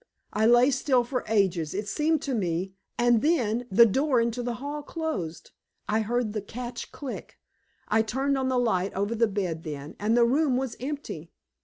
"I lay still for ages, it seemed to me, and then the door into the hall closed. I heard the catch click. I turned on the light over the bed then, and the room was empty.